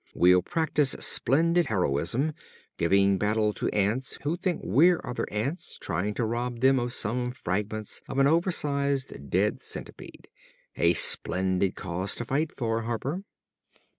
"We'll practice splendid heroism, giving battle to ants who think we're other ants trying to rob them of some fragments of an over sized dead centipede. A splendid cause to fight for, Harper!"